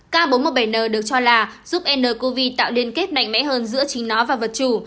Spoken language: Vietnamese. k bốn trăm một mươi bảy n được cho là giúp ncov tạo liên kết mạnh mẽ hơn giữa chính nó và vật chủ